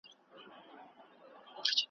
چا پوستين كړ له اوږو ورڅخه پورته `